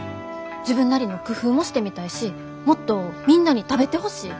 自分なりの工夫もしてみたいしもっとみんなに食べてほしい。